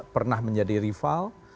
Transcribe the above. pernah menjadi rival